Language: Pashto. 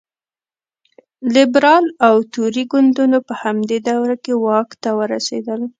لېبرال او توري ګوندونو په همدې دوره کې واک ته ورسېدل.